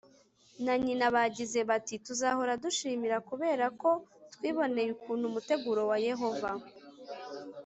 na nyina bagize bati tuzahora dushimira kubera ko twiboneye ukuntu umuteguro wa Yehova